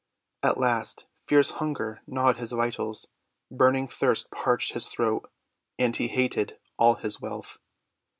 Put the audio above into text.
At last fierce hunger gnawed his vitals, burning thirst parched his throat, and he hated all his wealth.